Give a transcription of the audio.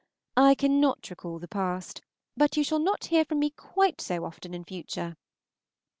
I cannot recall the past, but you shall not hear from me quite so often in future.